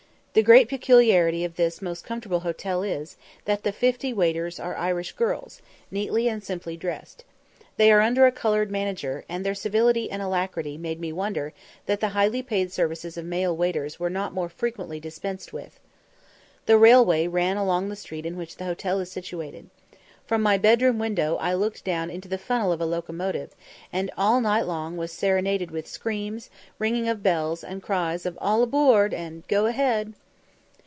The great peculiarity of this most comfortable hotel is, that the fifty waiters are Irish girls, neatly and simply dressed. They are under a coloured manager, and their civility and alacrity made me wonder that the highly paid services of male waiters were not more frequently dispensed with. The railway ran along the street in which the hotel is situated. From my bedroom window I looked down into the funnel of a locomotive, and all night long was serenaded with screams, ringing of bells, and cries of "All aboard" and "Go ahead."